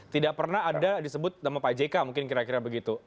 tidak pernah ada disebut nama pak jk mungkin kira kira begitu